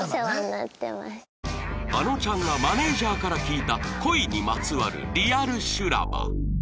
あのちゃんがマネージャーから聞いた恋にまつわるリアル修羅場